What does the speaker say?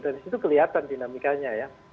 dan disitu kelihatan dinamikanya ya